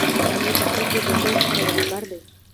پنېر د خلکو د ذوق سره برابر دی.